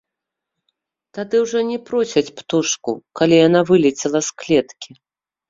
Тады ўжо не просяць птушку, калі яна вылецела з клеткі.